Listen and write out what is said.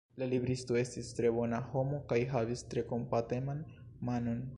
La libristo estis tre bona homo kaj havis tre kompateman manon.